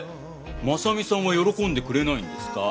真実さんは喜んでくれないんですか？